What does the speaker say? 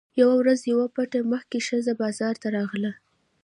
یوه ورځ یوه پټ مخې ښځه بازار ته راغله.